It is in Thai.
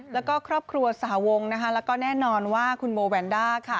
แล้วก็ครอบครัวสหวงนะคะแล้วก็แน่นอนว่าคุณโบแวนด้าค่ะ